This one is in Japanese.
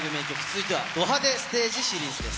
続いては、ド派手ステージシリー